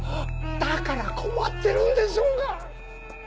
だから困ってるんでしょうが！